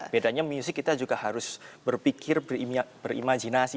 bedanya musik kita juga harus berpikir berimajinasi